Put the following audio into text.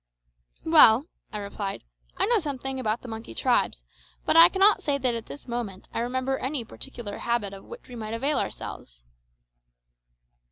"Well," I replied, "I know something about the monkey tribes, but I cannot say that at this moment I remember any particular habit of which we might avail ourselves."